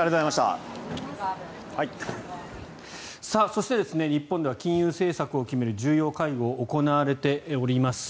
そして、日本では金融政策を決める重要会合が行われております。